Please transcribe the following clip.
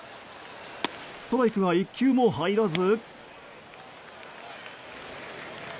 ストライクが１球も入らず。